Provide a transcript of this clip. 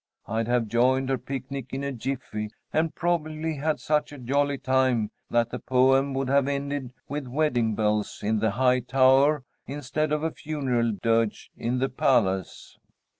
I'd have joined her picnic in a jiffy, and probably had such a jolly time that the poem would have ended with wedding bells in the high tower instead of a funeral dirge in the palace.